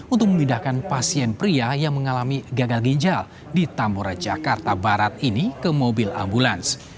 untuk memindahkan pasien pria yang mengalami gagal ginjal di tambora jakarta barat ini ke mobil ambulans